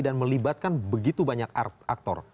dan melibatkan begitu banyak aktor